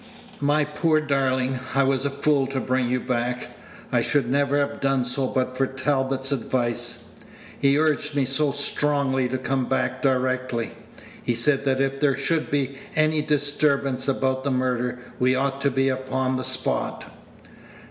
"My poor darling, I was a fool to bring you back. I should never have done so but for Talbot's advice. He urged me so strongly to come back directly. He said that if there should be any disturbance about the murder, we ought to be upon the spot."